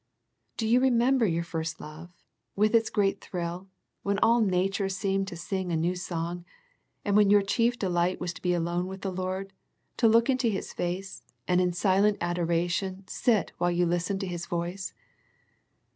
Do you not remember your first love, with its great thrill, when all Nature seemed to sing a new song, and when your chief delight was to be alone with the Lord, to look into His face, and in silent adoration sit while you listened to His voice?